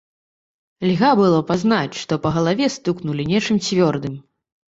Льга было пазнаць, што па галаве стукнулі нечым цвёрдым.